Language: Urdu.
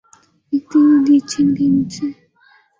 اِک تیری دید چِھن گئی مجھ سے